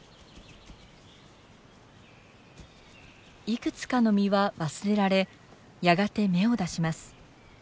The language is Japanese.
いくつかの実は忘れられやがて芽を出します。